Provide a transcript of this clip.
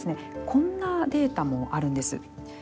こんなデータもあるんです。